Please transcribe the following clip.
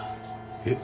えっ？